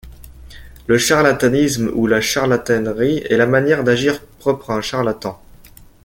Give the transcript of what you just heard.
Le charlatanisme ou la charlatanerie est la manière d'agir propre à un charlatan.